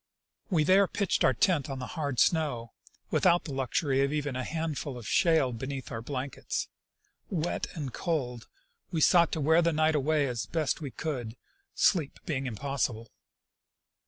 We there pitched our tent on the hard snow, without the luxury of even a few handfuls of shale beneath our blankets. Wet and cold, we sought to wear the night away as best we could, sleep being impossible.